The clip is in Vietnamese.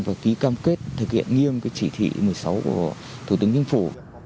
và ký cam kết thực hiện nghiêm cái chỉ thị một mươi sáu của thủ tướng chính phủ